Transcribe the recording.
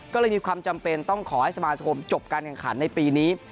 ก็เลยมีความจำเป็นต้องขอให้สมาคมจบการแข่งขันในปีนี้